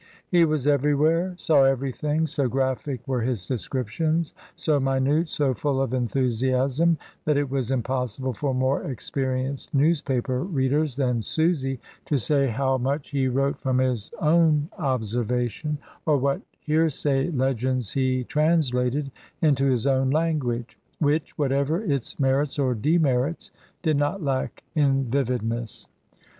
He was everywhere, saw everything, so graphic were his descriptions, so minute, so full of enthusiasm, that it was impossible for more ex perienced newspaper readers than Susy to say how much he wrote from his own observation, or what hearsay legends he translated into his own language, which, whatever its merits or demerits, did not lack in vividness.